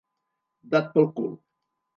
Dat pel cul.